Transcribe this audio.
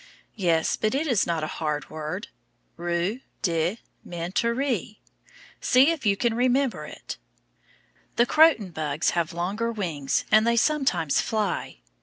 Yes, but it is not a hard word, ru di ment ary, see if you can remember it. The croton bugs have longer wings and they sometimes fly.